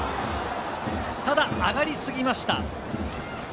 ただ、上がり過ぎました。